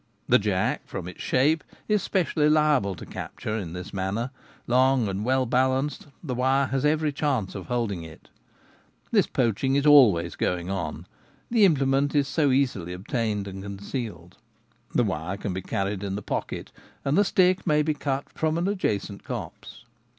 The jack, from its shape, is specially liable to capture in this manner; long and well balanced, the wire has every chance of holding it This poach ing is always going on; the implement is so easily obtained and concealed. The wire can be carried in the pocket, and the stick may be cut from an adjacent copse.